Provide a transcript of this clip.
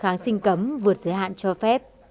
kháng sinh cấm vượt giới hạn cho phép